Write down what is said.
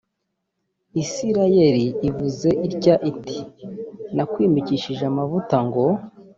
isirayeli ivuze itya iti nakwimikishije amavuta ngo